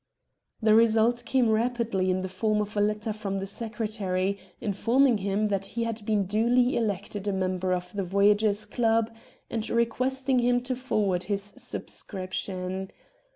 The result came rapidly in the form of a letter from the secretary informing him that he had been duly elected a member of the Voyagers' Club, and requesting him to forward his subscription.